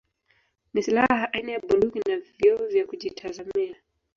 Ni silaha aina ya Bunduki na vioo vya kujitazamia